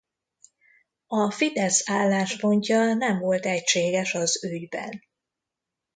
A Fidesz álláspontja nem volt egységes az ügyben.